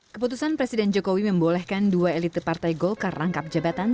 keputusan presiden jokowi membolehkan dua elit partai golkar rangkap jabatan